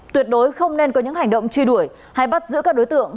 tuyệt đối không nên có những hành động truy đuổi hay bắt giữ các đối tượng